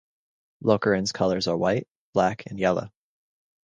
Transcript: Lokeren's colours are white, black and yellow.